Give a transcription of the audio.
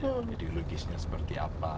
ideologisnya seperti apa